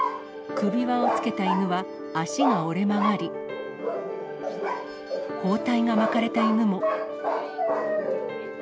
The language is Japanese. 首輪をつけた犬は、脚が折れ曲がり、包帯が巻かれた犬も。